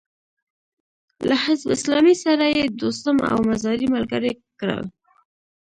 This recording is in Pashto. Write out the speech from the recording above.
له حزب اسلامي سره يې دوستم او مزاري ملګري کړل.